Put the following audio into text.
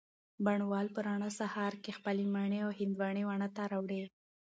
بڼ وال په رڼه سهار کي خپلې مڼې او هندواڼې واڼه ته راوړې